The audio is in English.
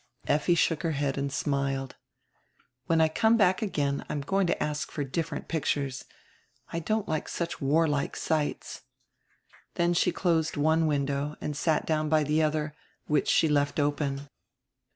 Effi shook her head and smiled. "When I come back again I am going to ask for different pictures; I don't like such warlike sights." Then she closed one window and sat down by the other, which she left open.